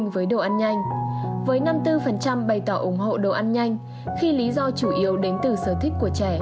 vừa giàu vitamin c